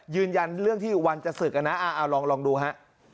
ยืนยันเรื่องที่วันจะศึกนะเอาลองดูฮะ